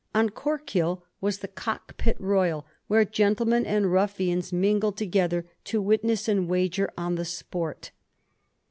On Cork Hill was the cock pit royal, where gentlemen and ruffians mingled together to witness and wager on the sport.